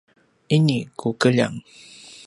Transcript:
ini ku keljang